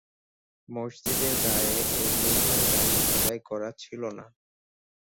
মসজিদের গায়ে এর নির্মাণ-তারিখ খোদাই করা ছিল না।